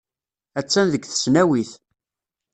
Attan deg tesnawit.